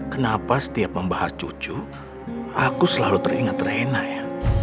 kenapa setiap membahas cucu aku selalu teringat rehena ya